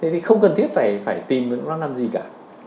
thì không cần thiết phải tìm nó làm gì cả